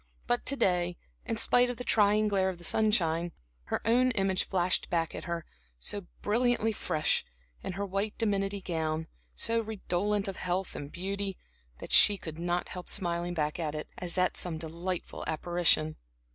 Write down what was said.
But to day, in spite of the trying glare of the sunshine, her own image flashed back at her, so brilliantly fresh, in her white dimity gown, so redolent of health and beauty, that she could not help smiling back at it, as at some delightful apparition.